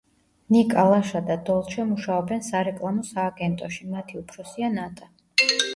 ნიკა, ლაშა და დოლჩე მუშაობენ სარეკლამო სააგენტოში მათი უფროსია ნატა.